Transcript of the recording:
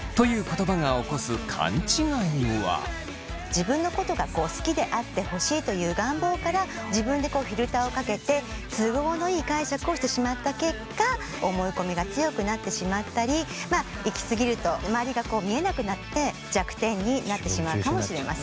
自分のことが好きであってほしいという願望から自分でフィルターをかけて都合のいい解釈をしてしまった結果思い込みが強くなってしまったり行き過ぎると周りがこう見えなくなって弱点になってしまうかもしれません。